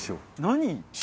何？